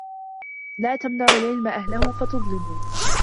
لَا تَمْنَعُوا الْعِلْمَ أَهْلَهُ فَتَظْلِمُوا